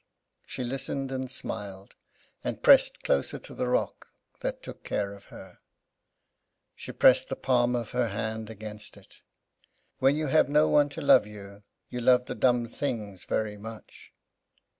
She listened and smiled, and pressed closer to the rock that took care of her. She pressed the palm of her hand against it. When you have no one to love you, you love the dumb things very much.